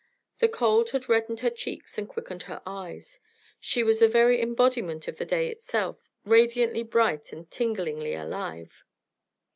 The cold had reddened her cheeks and quickened her eyes; she was the very embodiment of the day itself, radiantly bright and tinglingly alive.